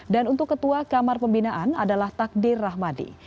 dan untuk ketua kamar pembinaan adalah takdir rahmadi